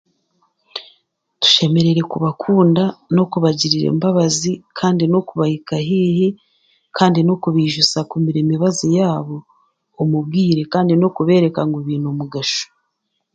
Tushemereire kubakunda n'okubagirira embabazi kandi n'okubahika haihi kandi n'okubaijusa kumira emibaazi yabo omu bwire kandi n'okubeereka ngu baine omugasho.